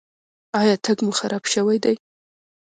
ایا تګ مو خراب شوی دی؟